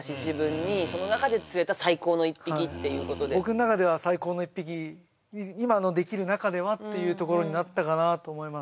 まあそのはい僕の中では最高の一匹今のできる中ではっていうところになったかなと思います